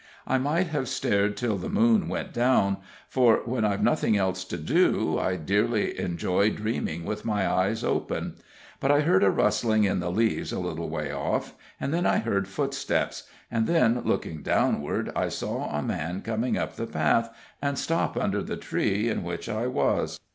I might have stared till the moon went down, for when I've nothing else to do I dearly enjoy dreaming with my eyes open; but I heard a rustling in the leaves a little way off, and then I heard footsteps, and then, looking downward, I saw a man come up the path, and stop under the tree in which I was.